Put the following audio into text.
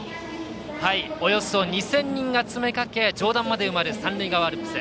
およそ２０００人が詰め掛け上段まで埋まる三塁側アルプス。